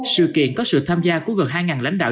sự kiện có sự tham gia của gần hai lãnh đạo